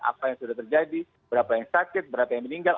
apa yang sudah terjadi berapa yang sakit berapa yang meninggal